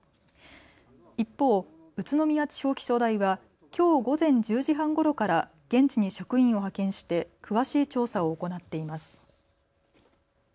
一方、宇都宮地方気象台はきょう午前１０時半ごろから現地に職員を派遣して詳しい調査を行っています。